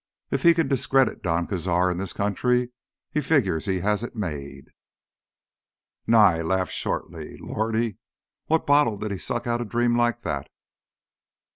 If he can discredit Don Cazar in this country, he figures he has it made." Nye laughed shortly. "Lordy, what bottle did he suck out a dream like that?